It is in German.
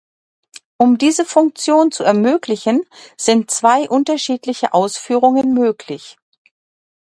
Um diese Funktion zu ermöglichen, sind zwei unterschiedliche Ausführungen möglich.